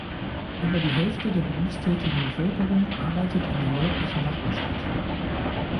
Über die Hälfte der berufstätigen Bevölkerung arbeitet in der nördlichen Nachbarstadt.